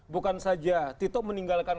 bukan saja tito meninggalkan